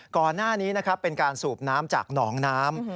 ก่อนหน้านี้นะครับเป็นการสูบน้ำจากหนองน้ำ